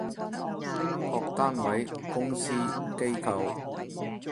各單位，公司，機構